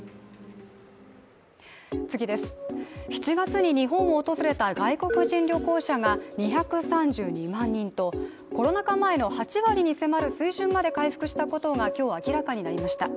７月に日本を訪れた外国人旅行者が２３２万人とコロナ禍前の８割に迫る水準まで回復したことが今日、明らかになりました。